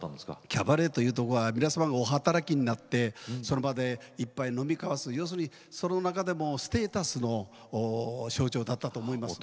キャバレーというとこは皆様がお働きになってその場で１杯飲み交わす要するにその中でもステータスの象徴だったと思います。